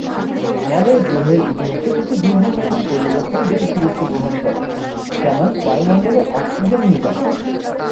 আমাদের গ্রহের ইতিহাসে কিছু দীর্ঘমেয়াদী পরিবর্তন বেশ গুরুত্ব বহন করে- যেমন বায়ুমন্ডলে অক্সিজেন নিগম।